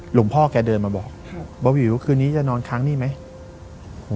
หลวงพ่อแกเดินมาบอกเบาวิวคืนนี้จะนอนค้างนี่ไหม